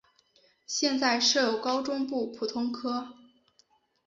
现在设有高中部普通科。